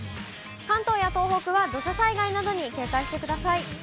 関東や東北は土砂災害などに警戒してください。